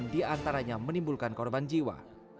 dua puluh sembilan di antaranya menimbulkan korban jiwa